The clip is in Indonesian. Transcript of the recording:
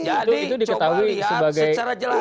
jadi coba lihat secara jelas